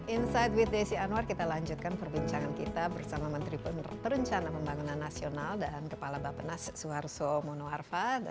insight with desi anwar kita lanjutkan perbincangan kita bersama menteri perencana pembangunan nasional dan kepala bapak nas suharto monoarfa